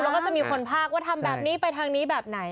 แล้วก็จะมีคนพากว่าทำแบบนี้ไปทางนี้แบบไหน